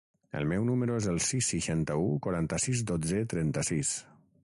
El meu número es el sis, seixanta-u, quaranta-sis, dotze, trenta-sis.